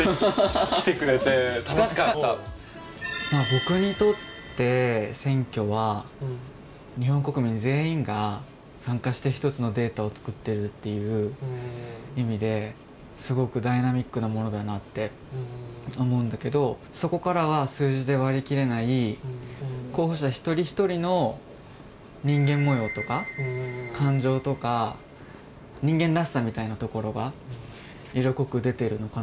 僕にとって選挙は日本国民全員が参加して１つのデータを作ってるっていう意味ですごくダイナミックなものだなって思うんだけどそこからは数字で割り切れない候補者一人一人の人間模様とか感情とか人間らしさみたいなところが色濃く出てるのかなって思う。